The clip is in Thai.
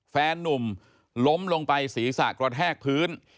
แฟนนุ่มล้มลงไปศีรษะกระแทกพื้น